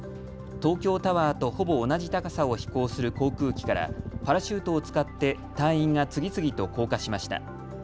東京タワーとほぼ同じ高さを飛行する航空機からパラシュートを使って隊員が次々と降下しました。